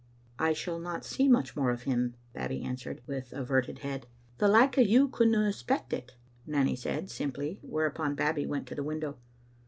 " I shall not see much more of him," Babbie answered, with averted head. "The like o' you couldna expect it," Nanny said, simply, whereupon Babbie went to the window.